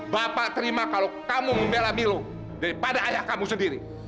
bapak terima kalau kamu membela milu daripada ayah kamu sendiri